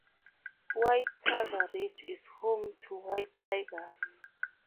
White Tiger Ridge is home to white tigers.